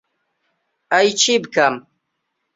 ئەی چی بکەم؟